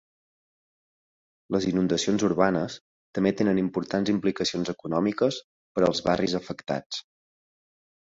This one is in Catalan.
Les inundacions urbanes també tenen importants implicacions econòmiques per als barris afectats.